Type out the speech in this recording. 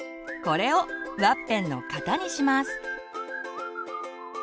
これをワッペンの型にします。